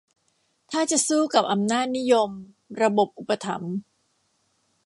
ถ้าจะสู้กับอำนาจนิยม-ระบบอุปถัมภ์